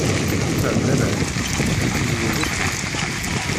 Mi tɛedda lɛid, tezluḍ ufrik.